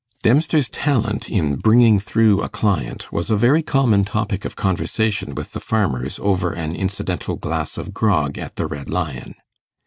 Dempster's talent in 'bringing through' a client was a very common topic of conversation with the farmers, over an incidental glass of grog at the Red Lion.